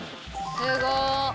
すごっ！